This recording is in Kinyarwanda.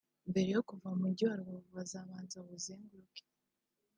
Mbere yo kuva mu mujyi wa Rubavu bazabanza bawuzenguruke